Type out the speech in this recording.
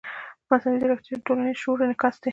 مصنوعي ځیرکتیا د ټولنیز شعور انعکاس دی.